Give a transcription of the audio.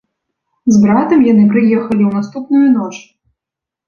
З братам яны прыехалі ў наступную ноч.